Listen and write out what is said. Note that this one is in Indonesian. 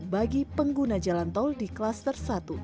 bagi pengguna jalan tol di klaster satu